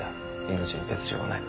命に別条はない。